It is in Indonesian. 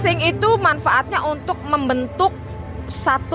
asing itu manfaatnya untuk membentuk satu